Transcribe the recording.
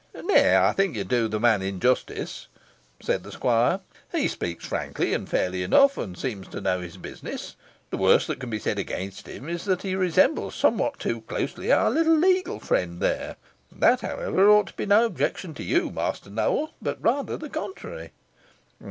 "Nay, I think you do the man injustice," said the squire. "He speaks frankly and fairly enough, and seems to know his business. The worst that can be said against him is, that he resembles somewhat too closely our little legal friend there. That, however, ought to be no objection to you, Master Nowell, but rather the contrary."